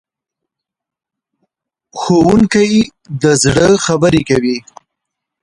استاد د زړه خبرې کوي.